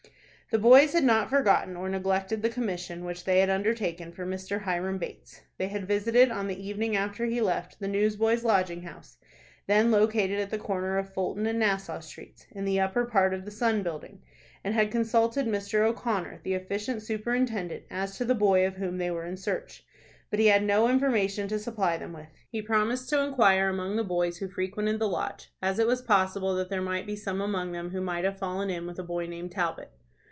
The boys had not forgotten or neglected the commission which they had undertaken for Mr. Hiram Bates. They had visited, on the evening after he left, the Newsboys' Lodging House, then located at the corner of Fulton and Nassau Streets, in the upper part of the "Sun" building, and had consulted Mr. O'Connor, the efficient superintendent, as to the boy of whom they were in search. But he had no information to supply them with. He promised to inquire among the boys who frequented the lodge, as it was possible that there might be some among them who might have fallen in with a boy named Talbot.